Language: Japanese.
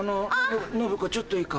ノブコちょっといいか？